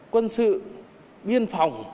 quân sự biên phòng